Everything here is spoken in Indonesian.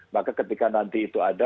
maka ketika nanti itu ada